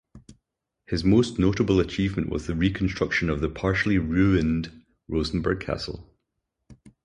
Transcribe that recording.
His most notable achievement was the reconstruction of the partially ruined Rosenburg Castle.